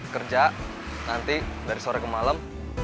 kerja nanti dari sore ke malam